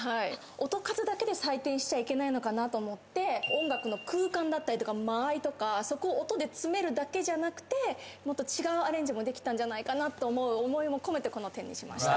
音数だけで採点しちゃいけないのかなと思って音楽の空間だったりとか間合いとかそこを音で詰めるだけじゃなくてもっと違うアレンジもできたんじゃないかなと思う思いも込めてこの点にしました。